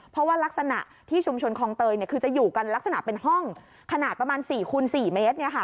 เพราะว่ารักษณะที่ชุมชนคลองเตยคือจะอยู่กันลักษณะเป็นห้องขนาดประมาณ๔คูณ๔เมตร